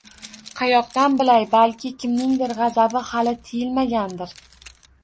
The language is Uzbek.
Qayoqdan bilay, balki, kimningdir g‘azabi hali tiyilmagandir…